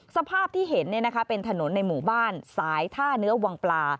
สภาพที่เห็นเป็นถนนในหมู่บ้านสายท่าเนื้อวังปลา